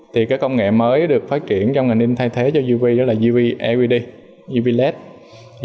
thì cái công nghệ mới được phát triển trong ngành in thay thế cho uv đó là uv led